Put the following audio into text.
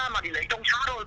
mà đi lễ hội trong xa thôi